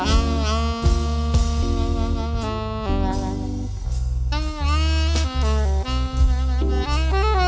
กลับมาเมื่อเวลาเมื่อเวลา